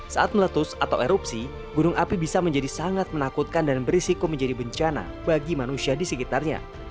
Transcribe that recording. saat meletus atau erupsi gunung api bisa menjadi sangat menakutkan dan berisiko menjadi bencana bagi manusia di sekitarnya